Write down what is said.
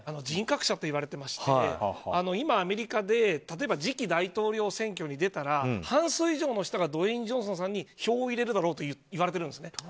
人格者といわれていまして今、アメリカで例えば次期大統領選挙に出たら半数以上の人がドウェイン・ジョンソンさんに票を入れるだろうといわれてるんですね。